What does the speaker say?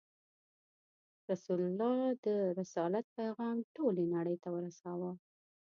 رسول الله د رسالت پیغام ټولې نړۍ ته ورساوه.